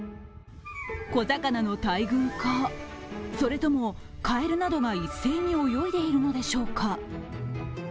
小魚の大群か、それともかえるなどが一斉に泳いでいるのでしょうか。